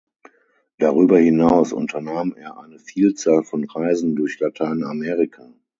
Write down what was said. Darüber hinaus unternahm er eine Vielzahl von Reisen durch Lateinamerika.